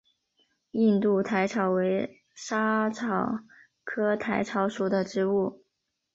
印度薹草为莎草科薹草属的植物。